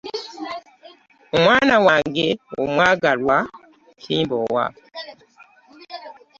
Omwana wange omwagalwa Kimbowa.